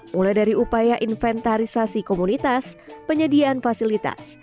mulai dari upaya inventarisasi komunitas penyediaan fasilitas